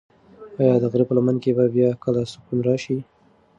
ایا د غره په لمن کې به بیا کله سکون راشي؟